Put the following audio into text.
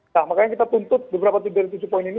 nah makanya kita tuntut beberapa dari tujuh poin ini